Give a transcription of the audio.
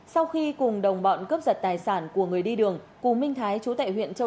sau khi cùng đồng bọn cướp giật tài sản của người đi đường cù minh thái chú tại huyện châu